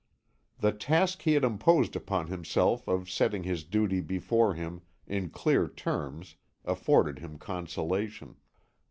The task he had imposed upon himself of setting his duty before him in clear terms afforded him consolation.